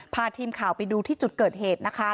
พาทีมข่าวไปดูที่จุดเกิดเหตุนะคะ